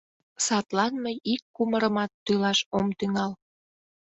Садлан мый ик кумырымат тӱлаш ом тӱҥал.